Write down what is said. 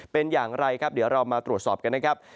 เป็นอย่างไรครับเดี๋ยวเรามาตรวจสอบกันนะครับ